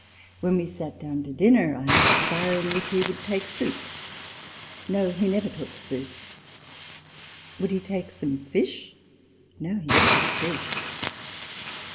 When we sat down to dinner, I asked Byron if he would take soup ?" No ; he never took soup." Would he take some fish ?" No ; he never took fish."